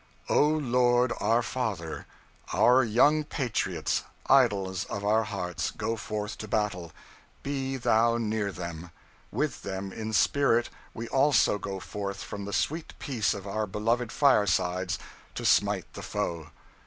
"O Lord our Father, our young patriots, idols of our hearts, go forth to battle – be Thou near them! With them – in spirit – we also go forth from the sweet peace of our beloved firesides to smite the foe.